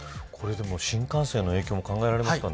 新幹線への影響も考えられますかね。